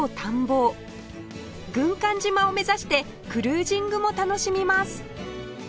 軍艦島を目指してクルージングも楽しみます